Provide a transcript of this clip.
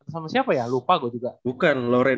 sama siapa ya lupa gue juga